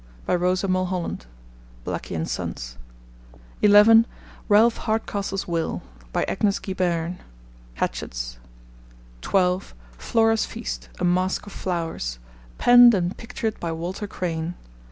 By Rosa Mulholland. (Blackie and Sons.) (11) Ralph Hardcastle's Will. By Agnes Giberne. (Hatchards.) (12) Flora's Feast. A Masque of Flowers. Penned and Pictured by Walter Crane.